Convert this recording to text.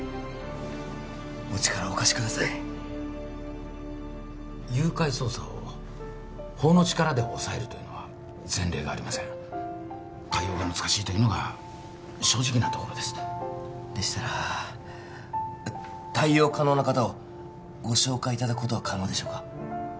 お力をお貸しください誘拐捜査を法の力で抑えるというのは前例がありません対応が難しいというのが正直なところですでしたら対応可能な方をご紹介いただくことは可能でしょうか？